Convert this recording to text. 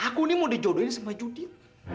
aku ini mau dijodohin sama judin